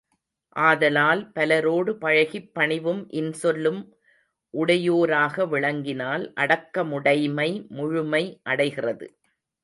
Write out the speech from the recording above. ஆதலால், பலரோடு பழகிப் பணிவும் இன் சொலும் உடையோராக விளங்கினால் அடக்கமுடைமை முழுமை அடைகிறது.